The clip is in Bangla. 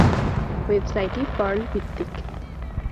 ওয়েবসাইটটি পার্ল-ভিত্তিক।